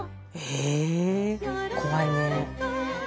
え怖いね。